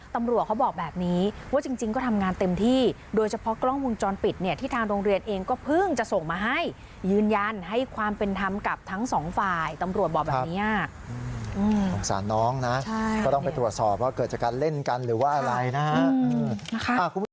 ตำรวจเขาบอกแบบนี้ว่าจริงก็ทำงานเต็มที่โดยเฉพาะกล้องวงจรปิดเนี่ยที่ทางโรงเรียนเองก็เพิ่งจะส่งมาให้ยืนยันให้ความเป็นธรรมกับทั้งสองฝ่ายตำรวจบอกแบบนี้สงสารน้องนะก็ต้องไปตรวจสอบว่าเกิดจากการเล่นกันหรือว่าอะไรนะฮะ